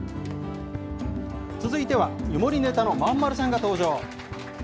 続いては湯守ネタの萬丸さんが登場。